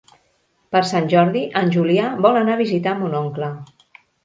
Per Sant Jordi en Julià vol anar a visitar mon oncle.